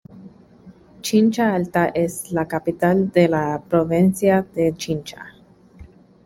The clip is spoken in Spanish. Chincha Alta es la capital de la provincia de Chincha.